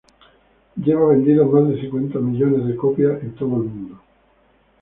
Lleva vendidas más de cincuenta millones de copias en todo el mundo.